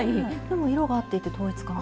でも色が合っていて統一感。